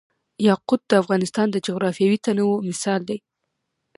یاقوت د افغانستان د جغرافیوي تنوع مثال دی.